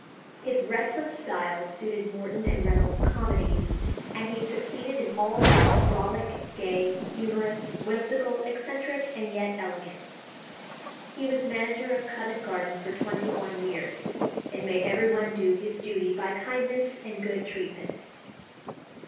His restless style suited Morton and Reynolds's comedies, and he succeeded in "all that was frolic, gay, humorous, whimsical, eccentric, and yet elegant." He was manager of Covent Garden for twenty one years, and made everyone do his duty by kindness and good treatment.